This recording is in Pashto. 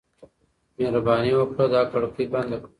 مهرباني وکړه دا کړکۍ بنده کړه.